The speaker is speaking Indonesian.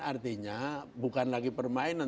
artinya bukan lagi permainan